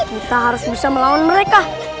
kita harus bisa melawan mereka